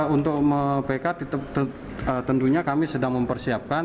untuk backup tentunya kami sedang mempersiapkan